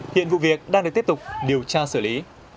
hiện vụ việc đang được tiếp tục điều tra xử lý